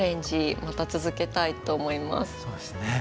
そうですね。